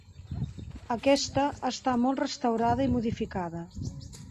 Aquesta està molt restaurada i modificada.